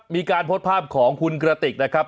มีการโพสต์ภาพของคุณกระติกนะครับ